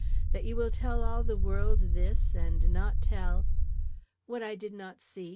That you will tell the world this and not tell " "What I did not see?"